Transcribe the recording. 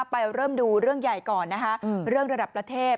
ไปเริ่มดูเรื่องใหญ่ก่อนนะคะเรื่องระดับประเทศ